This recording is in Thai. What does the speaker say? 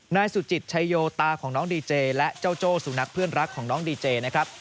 นายสุจิตชัยโยตาของน้องดีเจและเจ้าโจ้สุนัขเพื่อนรักของน้องดีเจนะครับ